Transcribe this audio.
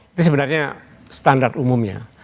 itu sebenarnya standar umumnya